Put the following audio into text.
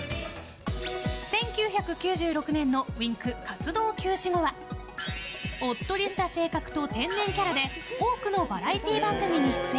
１９９６年のＷｉｎｋ活動休止後はおっとりした性格と天然キャラで多くのバラエティー番組に出演。